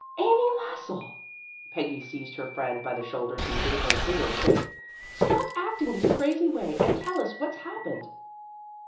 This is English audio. "Amy Lassell!" Peggy seized her friend by the shoulders and gave her a vigorous shake. "Stop acting this crazy way, and tell us what's happened."